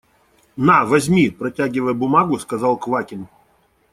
– На, возьми, – протягивая бумагу, сказал Квакин.